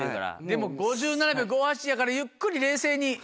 ５７秒５８やからゆっくり冷静に。